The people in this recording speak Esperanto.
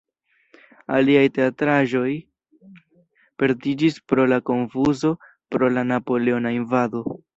Aliaj teatraĵoj perdiĝis pro la konfuzo pro la napoleona invado.